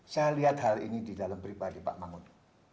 saya lihat hal ini di dalam pribadi pak mangun